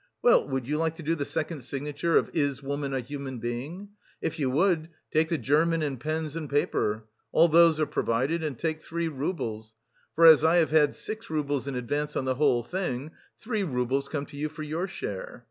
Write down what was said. Well, would you like to do the second signature of 'Is woman a human being?' If you would, take the German and pens and paper all those are provided, and take three roubles; for as I have had six roubles in advance on the whole thing, three roubles come to you for your share.